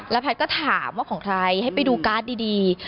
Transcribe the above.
แพทย์ก็ถามว่าของใครให้ไปดูการ์ดดี